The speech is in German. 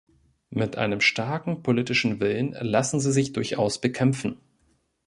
Mit einem starken politischen Willen lassen sie sich durchaus bekämpfen.